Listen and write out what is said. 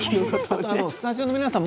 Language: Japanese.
スタジオの皆さん